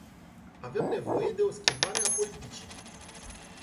Avem nevoie de o schimbare a politicii.